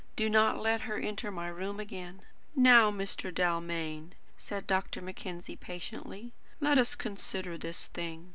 Do not let her enter my room again." "Now, Mr. Dalmain," said Dr. Mackenzie patiently; "let us consider this thing.